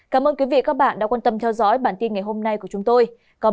cảm ơn quý vị và các bạn đã quan tâm theo dõi bản tin ngày hôm nay của chúng tôi